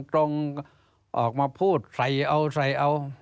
ตรงออกมาพูดใส่เอา